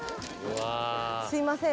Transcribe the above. すいません